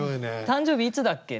「誕生日いつだっけ？」